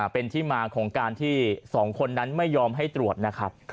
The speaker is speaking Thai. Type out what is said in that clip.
เป็นที่มาของการที่๒คนนั้นไม่ยอมให้ตรวจนะครับ